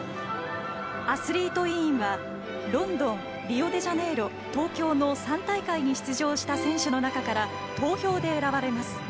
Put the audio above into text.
アスリート委員はロンドン、リオデジャネイロ東京の３大会に出場した選手の中から投票で選ばれます。